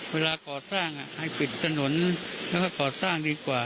เวลาขอสร้างคือปิดสนุนจำหนอก็ลดสร้างดีกว่า